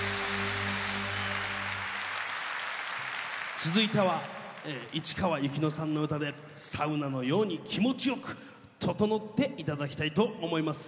続いては市川由紀乃さんの歌でサウナのように気持ちよくととのって頂きたいと思います。